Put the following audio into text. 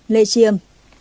một mươi năm lê chiêm